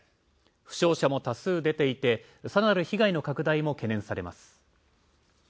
負傷者も多数出ていて、さらなる被害の拡大も懸念されます。